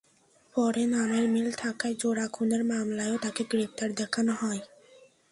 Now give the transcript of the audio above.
পরে নামের মিল থাকায় জোড়া খুনের মামলায়ও তাঁকে গ্রেপ্তার দেখানো হয়।